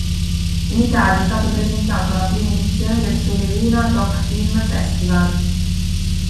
In Italia è stato presentato alla prima edizione del Sole Luna Doc-film Festival.